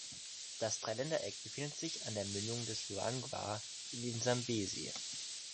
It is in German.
Das Dreiländereck befindet sich an der Mündung des Luangwa in den Sambesi.